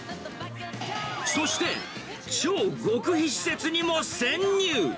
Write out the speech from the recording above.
そして、超極秘施設にも潜入。